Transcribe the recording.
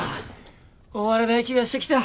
終わらない気がしてきた。